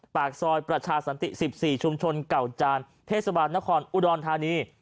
ปากซอยประชาสันติ๑๔ชุมชนเก่าจานเทศบาลนครอุดรธานี